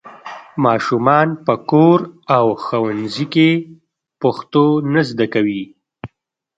ماشومان په کور او ښوونځي کې پښتو نه زده کوي.